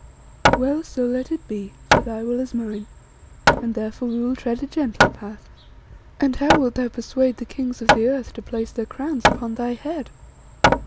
Well, so let it be, for thy will is mine, and therefore we will tread a gentler path." "And how wilt thou persuade the kings of the earth to place their crowns upon thy head?"